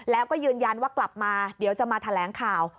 แล้วก็ยืนยันว่ากลับมาเดี๋ยวจะมาแถลงข่าว